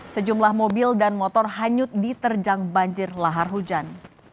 sejumlah mobil dan motor hanyut diterjang banjir lahar hujan